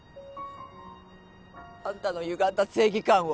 あんたのゆがんだ正義感を？